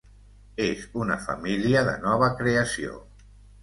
És una família de nova creació.